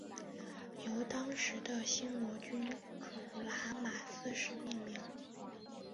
由当时的暹罗君主拉玛四世命名。